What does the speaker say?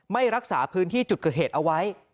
ไม่รักษาพื้นที่จุดเกิดเหตุเอาไว้